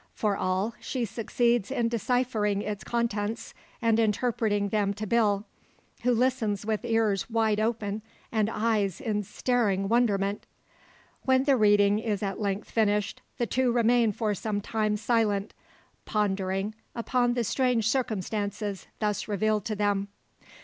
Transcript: For all, she succeeds in deciphering its contents and interpreting them to Bill; who listens with ears wide open and eyes in staring wonderment. When the reading is at length finished, the two remain for some time silent, pondering upon the strange circumstances thus revealed to them.